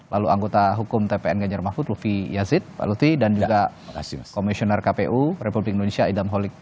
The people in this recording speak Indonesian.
lalu anggota hukum tpn ganjar mahfud lufi yazid pak lutfi dan juga komisioner kpu republik indonesia idam holik